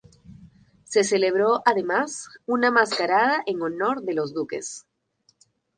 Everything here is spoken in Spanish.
Se celebró además una mascarada en honor de los duques.